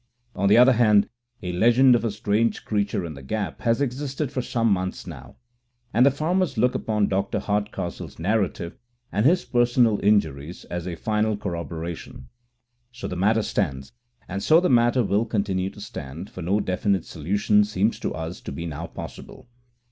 On the other hand, a legend of a strange creature in the Gap has existed for some months back, and the farmers look upon Dr. Hardcastle's narrative and his personal injuries as a final corroboration. So the matter stands, and so the matter will continue to stand, for no definite solution seems to us to be now possible.